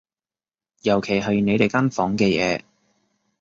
尤其係你哋間房嘅嘢